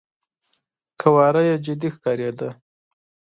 قواره يې جدي ښکارېده.